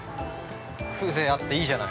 ◆風情あっていいじゃない。